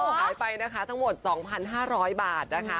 หายไปทั้งหมด๒๕๐๐บาท